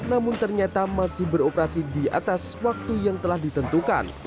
namun ternyata masih beroperasi di atas waktu yang telah ditentukan